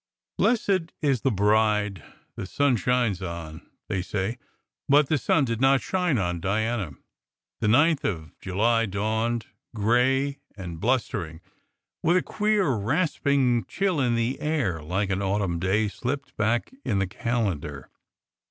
"Blessed is the bride the sun shines on," they say, but the sun did not shine on Diana. The ninth of July dawned gray and blustering, with a queer rasping chill in the air like an autumn day slipped back in the calendar.